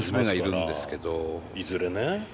いずれね。